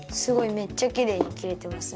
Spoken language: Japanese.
めっちゃきれいにきれてますね。